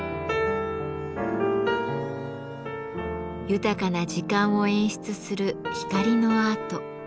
豊かな時間を演出する光のアート。